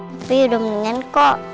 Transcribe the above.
tapi sudah mendingan kok